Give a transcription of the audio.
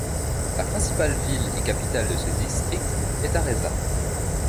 La principale ville et capitale de ce district est Areza.